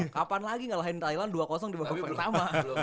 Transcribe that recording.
kapan lagi ngalahin thailand dua di babak pertama